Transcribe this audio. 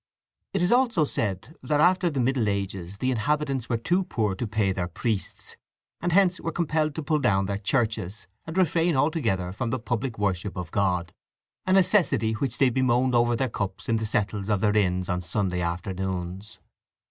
It is also said that after the Middle Ages the inhabitants were too poor to pay their priests, and hence were compelled to pull down their churches, and refrain altogether from the public worship of God; a necessity which they bemoaned over their cups in the settles of their inns on Sunday afternoons.